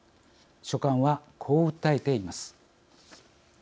書簡はこう訴えています。